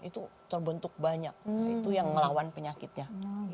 itu terbentuk banyak itu yang melawan penyakitnya